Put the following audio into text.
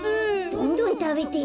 どんどんたべてよ。